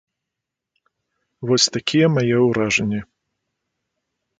Вось такія мае ўражанні.